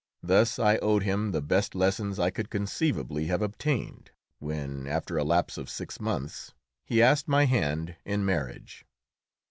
Thus I owed him the best lessons I could conceivably have obtained, when, after a lapse of six months, he asked my hand in marriage.